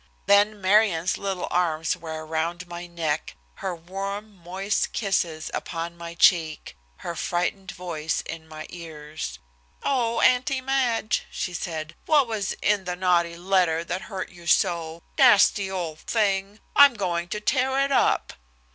Then Marion's little arms were around my neck, her warm, moist kisses upon my cheek, her frightened voice in my ears. "Oh! Auntie Madge," she said. "What was in the naughty letter that hurt you so? Nasty old thing! I'm going to tear it up."